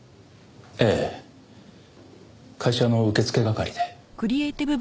ええ会社の受付係で。